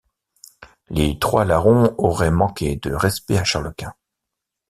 Les trois larrons auraient manqué de respect à Charles Quint.